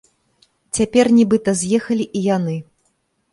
Цяпер нібыта з'ехалі і яны.